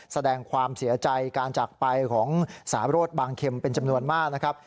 แสดงความเสียใจการจากไปของสารโรธบางเข็มเป็นจำนวนมากนะครับ